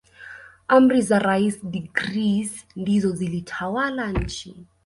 Amri za rais decrees ndizo zilizotawala nchi